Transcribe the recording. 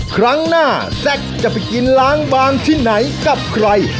ครั้งหน้าแซ็กจะไปกินล้างบางที่ไหนกับใคร